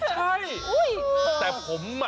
ใช่แต่ผม